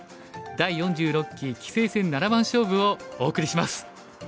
第４６期棋聖戦七番勝負」をお送りします。